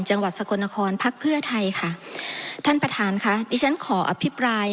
จังหวัดสกลนครพักเพื่อไทยค่ะท่านประธานค่ะดิฉันขออภิปราย